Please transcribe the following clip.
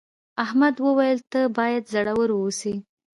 احمد وویل ته باید زړور اوسې.